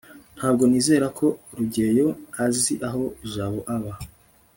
ntabwo nizera ko rugeyo azi aho jabo aba